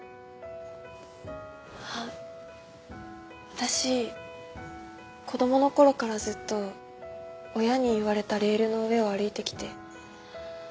私子供の頃からずっと親に言われたレールの上を歩いてきて。